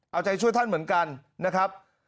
เอาใจช่วยท่านเหมือนกันนะครับ